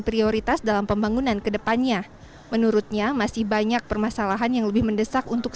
prioritas dalam pembangunan kedepannya menurutnya masih banyak permasalahan yang lebih mendesak untuk